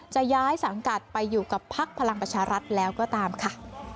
จะย้ายสังกัดไปอยู่กับพักพลังประชารัฐแล้วก็ตามค่ะ